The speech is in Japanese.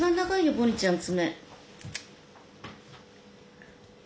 ボニーちゃん爪。